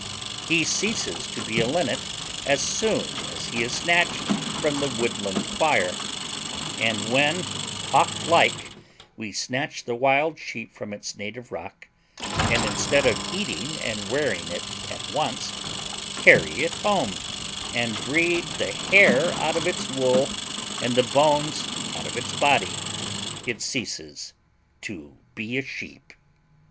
He ceases to be a linnet as soon as he is snatched from the woodland choir; and when, hawklike, we snatch the wild sheep from its native rock, and, instead of eating and wearing it at once, carry it home, and breed the hair out of its wool and the bones out of its body, it ceases to be a sheep.